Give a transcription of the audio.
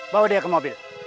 bawa dia ke mobil